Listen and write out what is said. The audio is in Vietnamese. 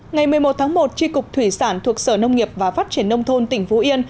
ngày một mươi một tháng một tri cục thủy sản thuộc sở nông nghiệp và phát triển nông thôn tỉnh phú yên